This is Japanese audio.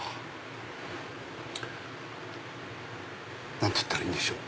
何て言ったらいいんでしょう？